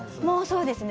そうですね。